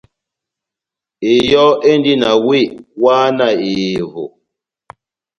Eyɔ́ endi na wéh wáhá na ehevo.